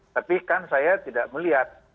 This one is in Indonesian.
tapi kan saya tidak melihat